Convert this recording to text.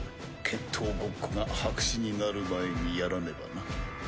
決闘ごっこが白紙になる前にやらねばな。